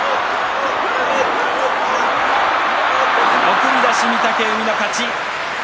送り出し、御嶽海の勝ち。